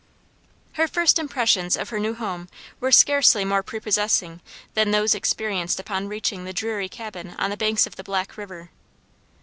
Her first impressions of her new home were scarcely more prepossessing than those experienced upon reaching the dreary cabin on the banks of the Black river.